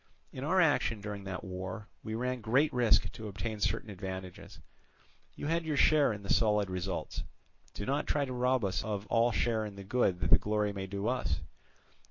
In our action during that war we ran great risk to obtain certain advantages: you had your share in the solid results, do not try to rob us of all share in the good that the glory may do us.